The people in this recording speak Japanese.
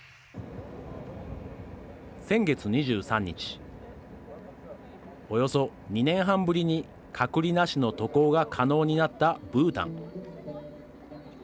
先月２３日およそ２年半ぶりに隔離なしの渡航が可能になったブータン。